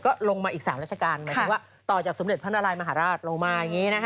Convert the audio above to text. ก็ลงมาอีก๓ราชการหมายถึงว่าต่อจากสมเด็จพระนารายย์มหาราชลงมา